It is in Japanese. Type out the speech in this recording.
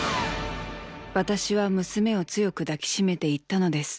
私は娘を強く抱き締めて言ったのです。